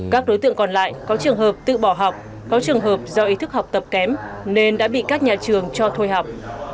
các đối tượng còn lại có trường hợp tự bỏ học có trường hợp do ý thức học tập kém nên đã bị các nhà trường cho thôi học